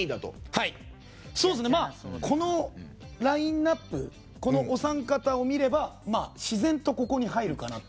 はい、このラインアップこのお三方を見れば自然とここに入るかなと。